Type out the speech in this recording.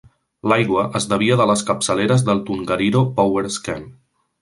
L'aigua es desvia de les capçaleres del Tongariro Power Scheme.